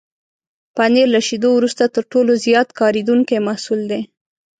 پنېر له شيدو وروسته تر ټولو زیات کارېدونکی محصول دی.